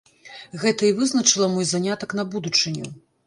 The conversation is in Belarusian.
Гэта і вызначыла мой занятак на будучыню.